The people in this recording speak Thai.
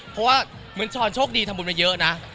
เพราะว่าเหมือนช้อนโชคดีทำบุญมาเยอะนะ